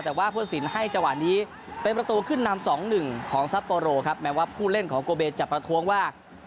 แต่ว่าผู้สินให้จังหวะนี้เป็นประตูขึ้นนำสองหนึ่งของซัปโปโรครับแม้ว่าผู้เล่นของโกเบจะประท้วงว่า